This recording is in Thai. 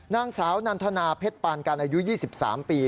นางสาวนันทนาเพชรปานกันอายุ๒๓ปี